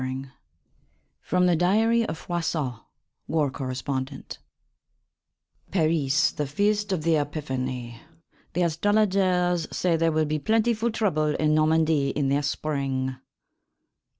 IV FROM THE DIARY OF FROISSART, WAR CORRESPONDENT Parys, The Feast of the Epiphanie. The astrologers say there will be plenty full trouble in Normandy, in the spring.